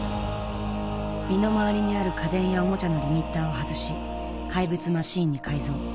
身の回りにある家電やおもちゃのリミッターを外し怪物マシンに改造。